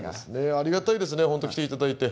ありがたいですねほんと来ていただいて。